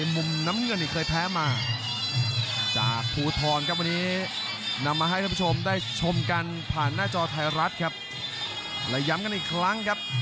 และย้ำกันอีกครั้งครับ